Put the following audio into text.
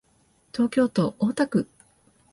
東京都大田区